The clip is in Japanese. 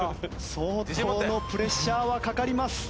相当のプレッシャーはかかります。